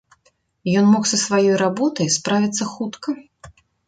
Ён мог са сваёй работай справіцца хутка.